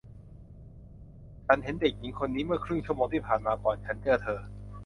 ฉันเห็นเด็กหญิงคนนี้เมื่อครึ่งชั่วโมงที่ผ่านมาก่อนฉันเจอเธอ